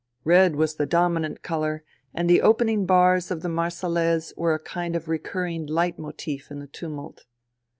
Red was the dominant colour, and the opening bars of the Marseillaise were a kind of recurring Leitmotif in the tumult.